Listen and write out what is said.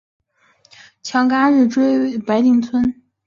强嘎日追位于拉萨市城关区蔡公堂乡白定村。